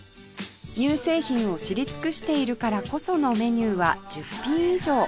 乳製品を知り尽くしているからこそのメニューは１０品以上